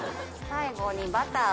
最後バター！